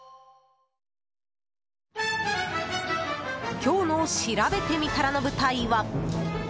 今日のしらべてみたらの舞台は。